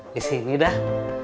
di sini dah